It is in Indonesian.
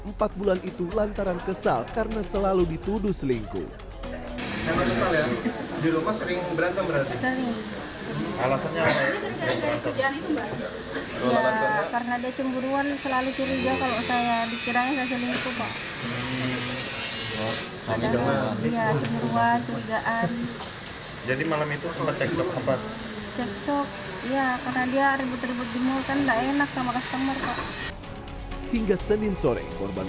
empat bulan itu lantaran kesal karena selalu dituduh selingkuh di rumah sering berantem